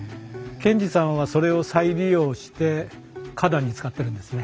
賢治さんはそれを再利用して花壇に使ってるんですね。